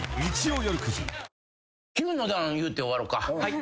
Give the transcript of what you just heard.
はい。